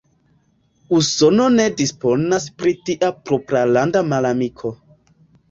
Usono ne disponas pri tia propralanda malamiko.